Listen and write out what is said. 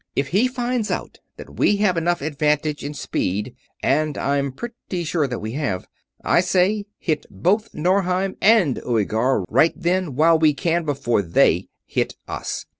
If he finds out that we have enough advantage in speed, and I'm pretty sure that we have, I say hit both Norheim and Uighar right then, while we can, before they hit us.